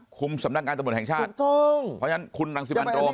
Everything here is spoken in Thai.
คุมสำนักการณ์สำนวนแห่งชาติถูกต้องเพราะฉะนั้นคุณรังสิบันโลง